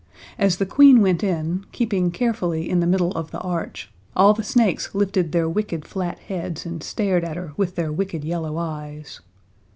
As the Queen went in, keeping carefully in the middle of the arch, all the snakes lifted their wicked, flat heads and stared at her with their wicked, yellow eyes.